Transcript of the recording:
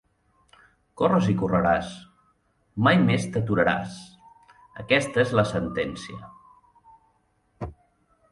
«Corres i correràs. Mai més t’aturaràs.» Aquesta és la sentència.